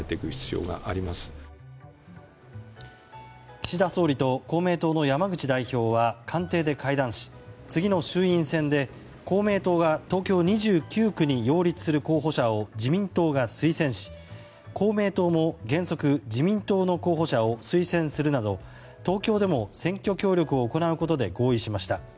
岸田総理と公明党の山口代表は官邸で会談し次の衆院選で、公明党が東京２９区に擁立する候補者を自民党が推薦し公明党も原則、自民党の候補者を推薦するなど東京でも選挙協力を行うことで合意しました。